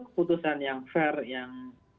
keputusan yang fair yang